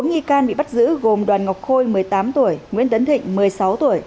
bốn nghi can bị bắt giữ gồm đoàn ngọc khôi một mươi tám tuổi nguyễn tấn thịnh một mươi sáu tuổi